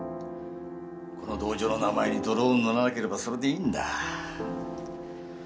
この道場の名前に泥を塗らなければそれでいいんだ。